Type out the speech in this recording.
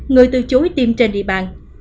người từ chối tiêm trên địa bàn